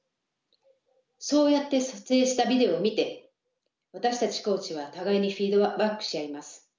そうやって撮影したビデオを見て私たちコーチは互いにフィードバックし合います。